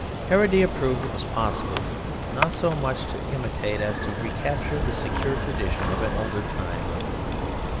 Heredia proved it possible not so much to imitate as to recapture the secure tradition of an older time.